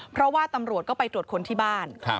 เพราะว่าตำรวจก็ไปตรวจคนที่บ้าน